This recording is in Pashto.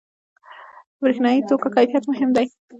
• د برېښنايي توکو کیفیت مهم دی.